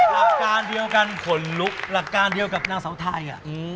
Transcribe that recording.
หลักการเดียวกันขนลุกหลักการเดียวกับนางเสาไทย